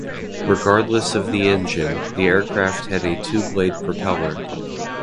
Regardless of the engine, the aircraft had a two-blade propeller.